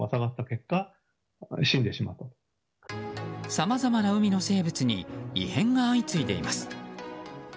さまざまな海の生物に異変が相次いでいます。